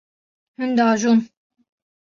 Hûn diajon.